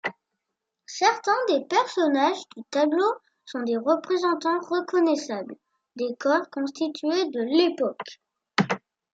Certains des personnages du tableau sont des représentants reconnaissables des corps constitués de l'époque.